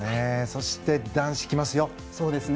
そして、男子がきますよ。